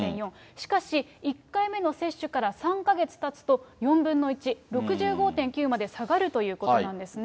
しかし１回目の接種から３か月たつと４分の１、６５．９まで下がるということなんですね。